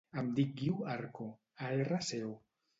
Em dic Guiu Arco: a, erra, ce, o.